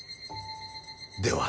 では